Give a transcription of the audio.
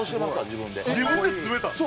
自分で詰めたの？